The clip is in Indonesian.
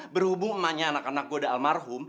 berhubung emaknya anak anak gue udah almarhum